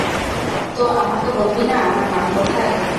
তো আমাকে বলবি না আমার মাল কোথায়।